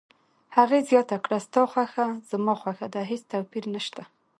هغې زیاته کړه: ستا خوښه زما خوښه ده، هیڅ توپیر نشته.